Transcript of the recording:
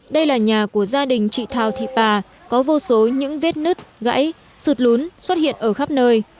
đây là nhà của gia đình chị thào thị bà có vô số những vết nứt gãy sụt lún xuất hiện ở khắp nơi